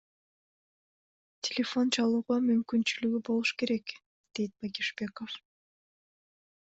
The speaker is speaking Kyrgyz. Телефон чалууга мүмкүнчүлүгү болуш керек, — дейт Багишбеков.